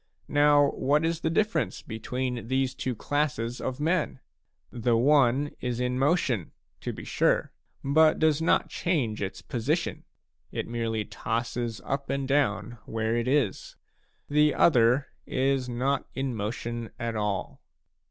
Now what is the difference between these two classes of men ? The one is in motion, to be sure, but does not change its position ; it merely tosses up and down where it is ; the other is not in motion at all.